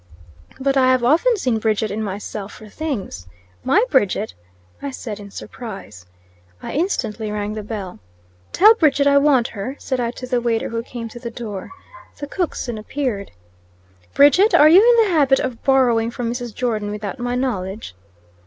"But I have often seen Bridget in myself for things." "My Bridget!" I said, in surprise. I instantly rang the bell. "Tell Bridget I want her," said I to the waiter who came to the door. The cook soon appeared. "Bridget, are you in the habit of borrowing from Mrs. Jordon without my knowledge?"